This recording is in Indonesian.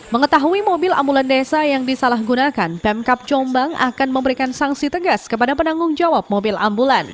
mengetahui mobil ambulan desa yang disalahgunakan pemkap jombang akan memberikan sanksi tegas kepada penanggung jawab mobil ambulan